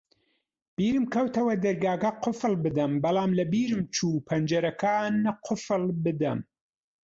بیرم کەوتەوە دەرگاکە قوفڵ بدەم، بەڵام لەبیرم چوو پەنجەرەکان قوفڵ بدەم.